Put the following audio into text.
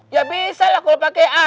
ya bisa lah kalo pake a